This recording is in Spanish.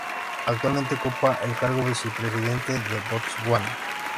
Actualmente ocupa el cargo Vicepresidente de Botswana.